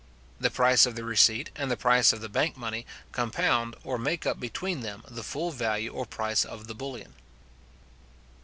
The price of the receipt, and the price of the bank money, compound or make up between them the full value or price of the bullion.